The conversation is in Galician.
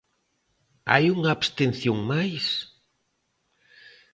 ¿Hai unha abstención máis?